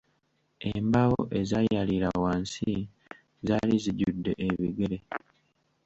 Embaawo ezaayaliira wansi zaali zijjudde ebigere.